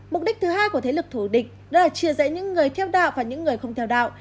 mục đích thứ hai của thế lực thủ địch đó là chia rẽ những người theo đạo và những người không theo đạo